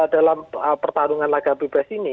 dalam pertarungan laga bebas ini